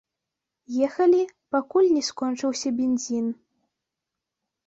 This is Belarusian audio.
Ехалі, пакуль не скончыўся бензін.